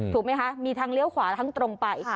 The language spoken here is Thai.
ถูกไหมคะมีทางเลี้ยวขวาทั้งตรงไป